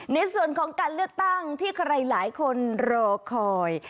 ในส่วนของการเลือกตั้งที่ใครหลายคนรอคอย